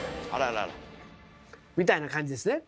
みたいな感じですね。